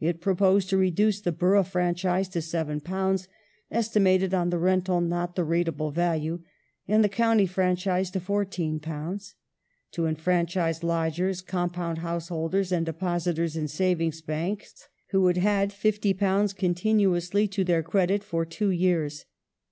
It proposed to reduce the borough franchise to £7, estimated on the rental not the rateable value, and the county franchise to £14 ; to enfranchise lodgers, compound householders, and depositors in Saving Banks who had had £50 continuously to their credit for two years.